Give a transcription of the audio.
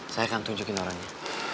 saya akan tunjukin orangnya